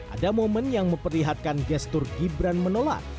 ada momen yang memperlihatkan gestur gibran menolak